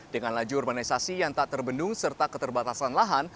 dengan laju urbanisasi yang tak terbendung serta keterbatasan lahan